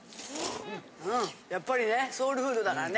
やっぱりねソウルフードだからね。